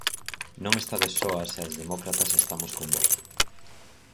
Non estades soas e as demócratas estamos convosco.